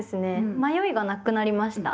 迷いがなくなりました。